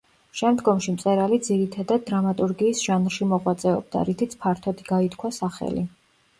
შემდგომში მწერალი ძირითადად, დრამატურგიის ჟანრში მოღვაწეობდა, რითიც ფართოდ გაითქვა სახელი.